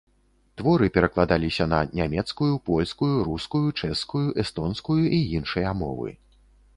Творы перакладаліся на нямецкую, польскую, рускую, чэшскую, эстонскую і іншыя мовы.